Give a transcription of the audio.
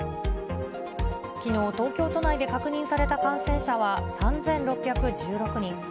きのう、東京都内で確認された感染者は３６１６人。